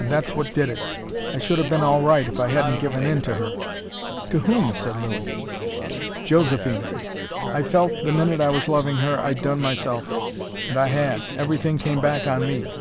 And that's what did it. I should have been all right if I hadn't given in to her " "To whom?" said Lilly. "Josephine. I felt, the minute I was loving her, I'd done myself. And I had. Everything came back on me.